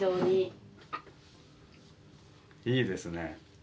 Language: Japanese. いいですね。